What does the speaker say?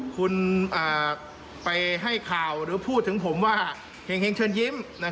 คุณไปให้ข่าวหรือพูดถึงผมว่าเห็งเชิญยิ้ม